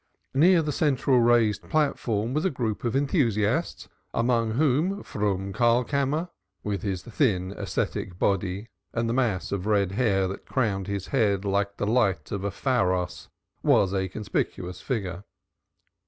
Near the central raised platform was a group of enthusiasts, among whom Froom Karlkammer, with his thin ascetic body and the mass of red hair that crowned his head like the light of a pharos, was a conspicuous figure.